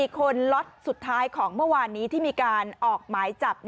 ๔คนล็อตสุดท้ายของเมื่อวานนี้ที่มีการออกหมายจับ